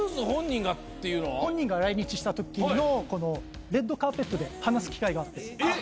本人が来日したときレッドカーペットで話す機会があって。